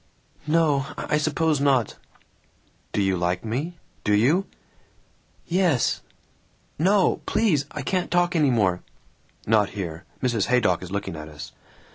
"No, I suppose not." "Do you like me? Do you?" "Yes No! Please! I can't talk any more." "Not here. Mrs. Haydock is looking at us."